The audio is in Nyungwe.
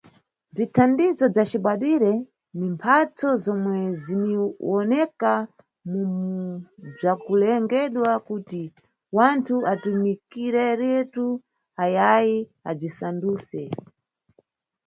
Bzithandizo bzacibadwire ni mphatso zomwe ziniwoneka mu bzakulengedwa kuti wanthu atumikireretu ayayi abzisanduse.